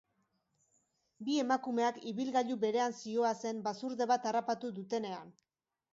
Bi emakumeak ibilgailu berean zihoazen basurde bat harrapatu dutenean.